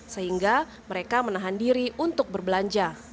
sehingga mereka menahan diri untuk berbelanja